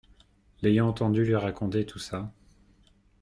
L’ayant entendu lui raconter tout ça